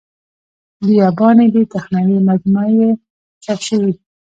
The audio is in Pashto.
بیاباني دې تخنوي مجموعه یې چاپ شوې.